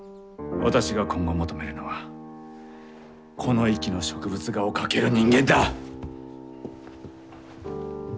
私が今後求めるのはこの域の植物画を描ける人間だ！